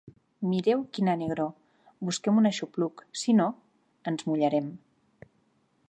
Mireu quina negror: busquem un aixopluc; si no, ens mullarem.